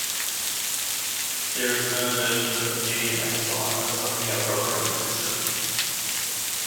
There is no version of MediaMax for Linux or any other operating system.